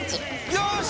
よし！